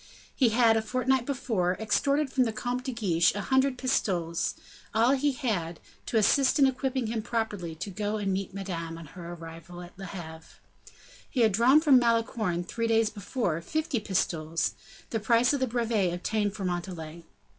He had, a fortnight before, extorted from the Comte de Guiche a hundred pistoles, all he had, to assist in equipping him properly to go and meet Madame, on her arrival at Le Havre. He had drawn from Malicorne, three days before, fifty pistoles, the price of the brevet obtained for Montalais.